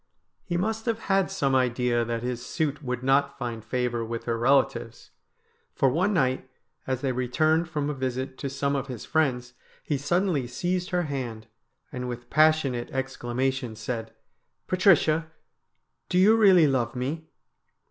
He must have had some idea that his suit would not find favour with her relatives, for one night, as they returned from a visit to some of his friends, he suddenly seized her hand, and with passionate exclamation said :' Patricia, do you really love me